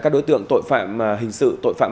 các đối tượng tội phạm hình sự tội phạm